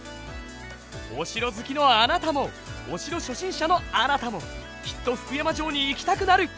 お城好きのあなたもお城初心者のあなたもきっと福山城に行きたくなる！